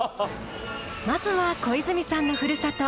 まずは小泉さんのふるさと